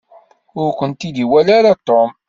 Ur kent-id-iwala ara Tom.